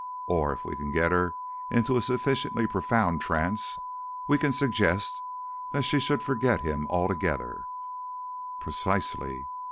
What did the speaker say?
Or if we can get her into a sufficiently profound trance we can suggest that she should forget him altogether " "Precisely."